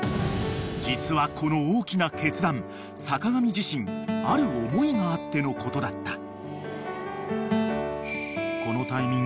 ［実はこの大きな決断坂上自身ある思いがあってのことだった］